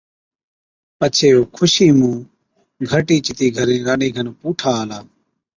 پڇي او خوشِي مُون گھَرٽِي چتِي گھرين رانڏي کن پُوٺا آلا،